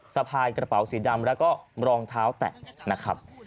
สะพายกระเป๋าสีดำแล้วก็รองเท้าแตะนะครับ